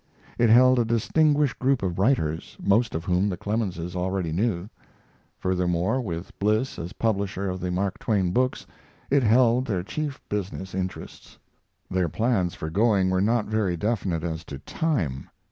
It held a distinguished group of writers, most of whom the Clemenses already knew. Furthermore, with Bliss as publisher of the Mark Twain books, it held their chief business interests. Their plans for going were not very definite as to time.